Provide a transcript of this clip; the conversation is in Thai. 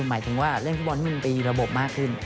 หมายถึงว่าเล่นฟุตบอลที่มันตีระบบมากขึ้น